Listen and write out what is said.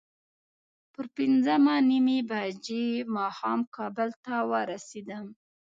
پر پینځه نیمې بجې ماښام کابل ته ورسېدم.